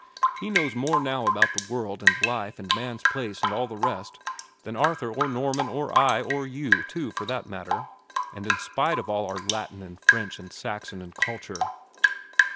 He knows more now about the world, and life, and man's place, and all the rest, than Arthur, or Norman, or I, or you, too, for that matter, and in spite of all our Latin, and French, and Saxon, and culture."